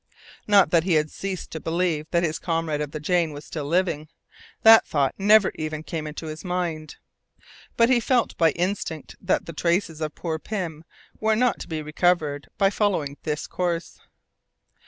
Not that he had ceased to believe that his comrade of the Jane was still living that thought never even came into his mind! But he felt by instinct that the traces of poor Pym were not to be recovered by following this course.